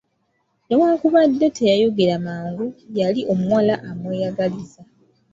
Newankubadde teyayogera mangu, yali omuwala amweyagaliza.